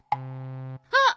あっ！